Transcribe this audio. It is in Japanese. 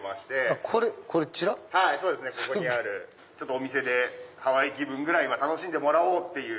お店でハワイ気分ぐらいは楽しんでもらおうっていう。